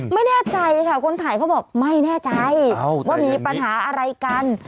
ไม่แน่ใจค่ะคนถ่ายเขาบอกไม่แน่ใจว่ามีปัญหาอะไรกัน